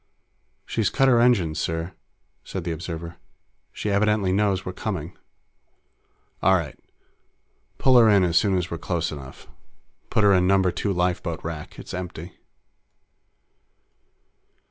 "She's cut her engines, sir!" said the observer. "She evidently knows we're coming." "All right. Pull her in as soon as we're close enough. Put her in Number Two lifeboat rack; it's empty."